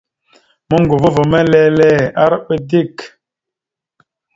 Moŋgovo ava ma lele, arəba dik.